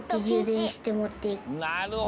なるほど！